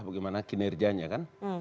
bagaimana kinerjanya kan